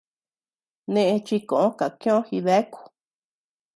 Neʼe chi koʼö kakiö jideaku.